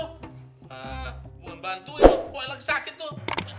bukan bantuin lu gue lagi sakit tuh